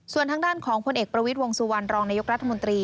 ส่วนทางด้านของพลเอกประวิทย์วงสุวรรณรองนายกรัฐมนตรี